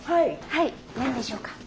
はい何でしょうか。